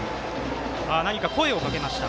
何か声をかけました。